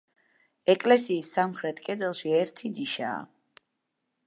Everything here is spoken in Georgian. ეკლესიის სამხრეთ კედელში ერთი ნიშაა.